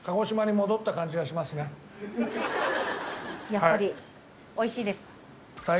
やっぱりおいしいですか。